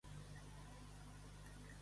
Del que té sentit és parlar d’absolució.